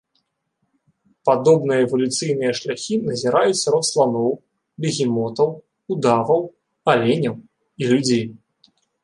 Падобныя эвалюцыйныя шляхі назіраюць сярод сланоў, бегемотаў, удаваў, аленяў і людзей.